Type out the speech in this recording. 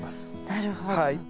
なるほど。